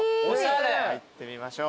入ってみましょう。